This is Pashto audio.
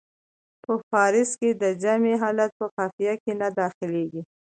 په فارسي کې د جمع حالت په قافیه کې نه داخلیږي.